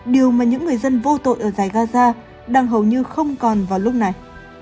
điều mà những người dân vô tội ở giải gaza đang hầu như không còn vào lúc này